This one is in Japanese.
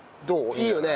いいよね？